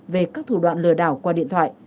về các thủ đoạn lừa đảo qua điện thoại